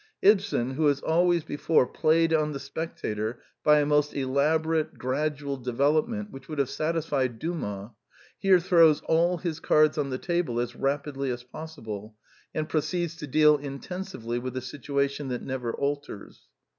Ibsen, who has always before played on the spectator by a most elaborate gradual de velopment which would have satisfied Dumas, here throws all his cards on the table a^ rapidly as possible, and proceeds to deal intensively with a situation that never alters.